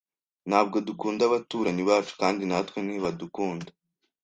Ntabwo dukunda abaturanyi bacu, kandi natwe ntibadukunda.